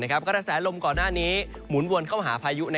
กระแสลมก่อนหน้านี้หมุนวนเข้าหาพายุ